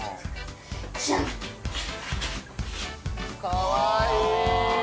かわいい。